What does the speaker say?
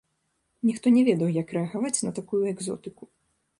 Ніхто не ведаў, як рэагаваць на такую экзотыку.